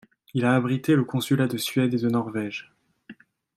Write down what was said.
Il a abrité le consulat de Suède et de Norvège.